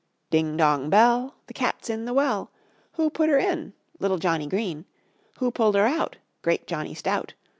Ding dong bell, the cat's in the well. Who put her in? Little Johnny Green. Who pulled her out? Great Johnny Stout.